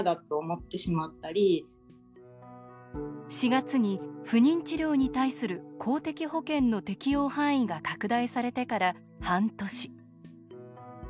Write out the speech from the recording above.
４月に不妊治療に対する公的保険の適用範囲が拡大されてから半年。